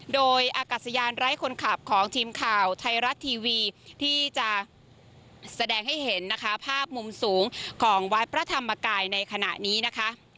โดยอากาศยานไร้คนขับของทีมข่าวไทยรัฐทีวีที่จะแสดงให้เห็นนะคะภาพมุมสูงของวัดพระธรรมกายในขณะนี้นะคะ